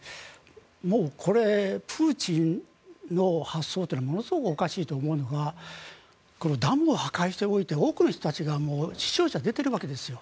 もうこれプーチンの発想というのがものすごくおかしいと思うのはダムを破壊しておいて多くの人たちが死傷者、出ているわけですよ。